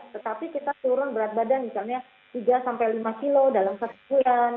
tetapi kita turun berat badan misalnya tiga sampai lima kilo dalam satu bulan